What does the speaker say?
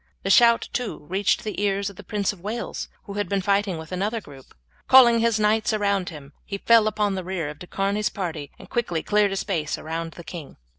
The shout too reached the ears of the Prince of Wales, who had been fighting with another group. Calling his knights around him he fell upon the rear of De Charny's party and quickly cleared a space around the king.